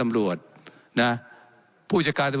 และยังเป็นประธานกรรมการอีก